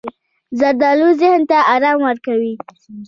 زردالو ذهن ته ارام ورکوي.